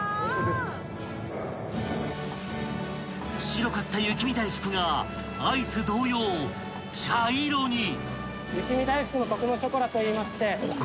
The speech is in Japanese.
［白かった雪見だいふくがアイス同様茶色に］